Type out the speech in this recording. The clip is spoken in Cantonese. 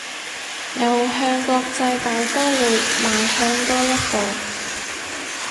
又向國際大刀會邁向多一步